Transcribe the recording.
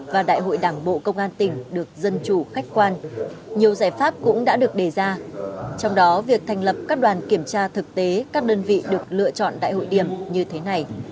để đại hội đảng bộ cấp cấp và đại hội đảng bộ công an tỉnh được dân chủ khách quan